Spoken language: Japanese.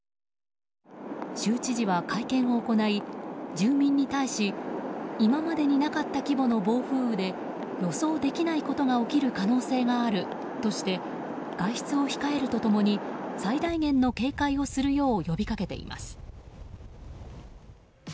州知事は会見を行い、住民に対し今までになかった規模の暴風雨で予想できないことが起きる可能性があるとして外出を控えると共に最大限の警戒をするよう呼びかけています。